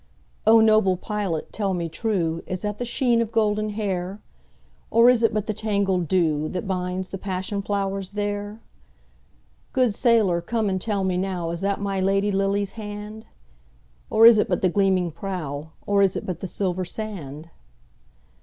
O noble pilot tell me trueIs that the sheen of golden hair? Or is it but the tangled dewThat binds the passion flowers there? Good sailor come and tell me nowIs that my Lady's lily hand? Or is it but the gleaming prow, Or is it but the silver sand?